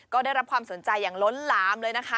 ก็ได้รับความสนใจอย่างล้นหลามเลยนะคะ